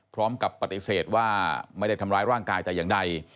พร้อมกับปฏิเสธว่าไม่ได้ทำร้ายร่างกายแต่อย่างใด